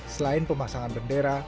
selain pemasangan bendera